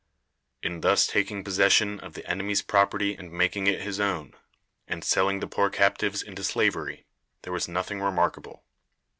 In thus taking possession of the enemy's property and making it his own, and selling the poor captives into slavery, there was nothing remarkable.